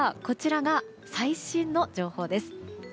こちらが最新の情報です。